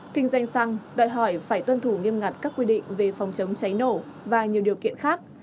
kinh doanh xăng đòi hỏi phải tuân thủ nghiêm ngặt các quy định về phòng chống cháy nổ và nhiều điều kiện khác